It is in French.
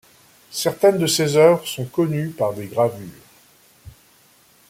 Certaines de ses œuvres sont connues par des gravures.